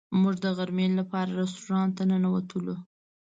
موږ د غرمې لپاره رسټورانټ ته ننوتلو.